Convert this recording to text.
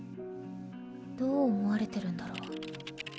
どう思われてるんだろ